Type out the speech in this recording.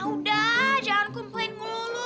udah jangan komplain mulu mulu